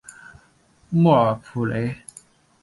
莫尔普雷。